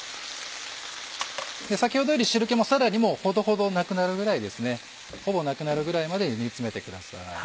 先ほどより汁気もさらにほどほどなくなるぐらいほぼなくなるぐらいまで煮詰めてください。